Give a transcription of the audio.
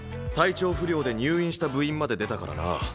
体調不良で入院した部員まで出たからな。